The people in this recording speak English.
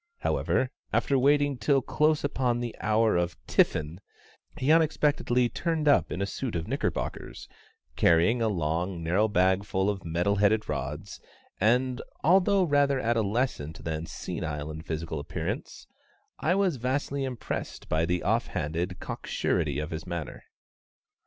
However, after waiting till close upon the hour of tiffin, he unexpectedly turned up in a suit of knickerbockers, carrying a long, narrow bag full of metal headed rods, and although rather adolescent than senile in physical appearance I was vastly impressed by the offhanded cocksurety of his manner.